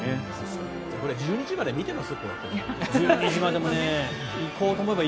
１２時まで見てます？